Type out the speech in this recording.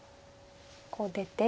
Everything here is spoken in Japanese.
こう出て。